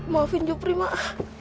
maafin jepri mak